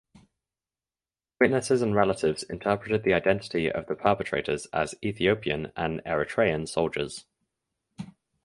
Witnesses and relatives interpreted the identity of the perpetrators as Ethiopian and Eritrean soldiers.